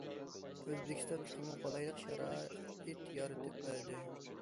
ئۆزبېكىستان تېخىمۇ قولايلىق شارائىت يارىتىپ بەردى.